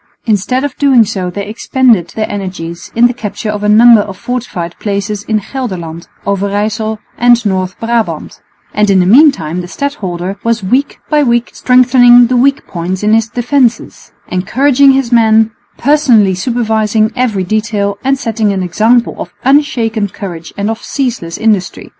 Instead of doing so they expended their energies in the capture of a number of fortified places in Gelderland, Overyssel and North Brabant; and in the meantime the stadholder was week by week strengthening the weak points in his defences, encouraging his men, personally supervising every detail and setting an example of unshaken courage and of ceaseless industry.